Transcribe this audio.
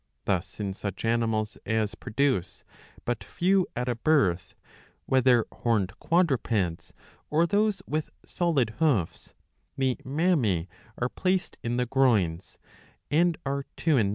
Thus in such animals as produce but few at a birth, whether horned quadrupeds or those with solid hoofs, the mammae are placed in the groins, and are two in.